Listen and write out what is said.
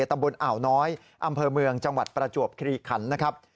ตำบลอ่าวน้อยอำเภอเมืองจังหวัดประจวบคลีขันนะครับ